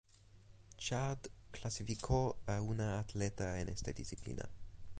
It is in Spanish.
Chad clasificó a una atleta en esta disciplina.